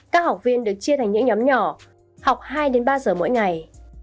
các học viên được chia thành những nhóm nhỏ học hai ba giờ mỗi ngày